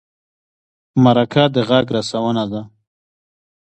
مرکه د غږ رسونه ده.